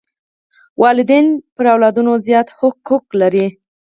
والدین پر اولادونو زیات حقوق لري.